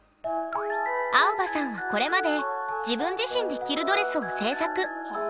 アオバさんはこれまで自分自身で着るドレスを制作。